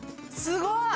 すごい！